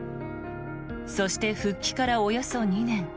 そして復帰からおよそ２年。